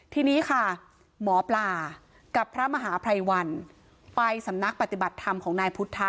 ทีนี้ค่ะหมอปลากับพระมหาภัยวันไปสำนักปฏิบัติธรรมของนายพุทธะ